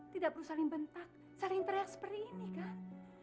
tidak perlu saling bentak saling teriak seperti ini kan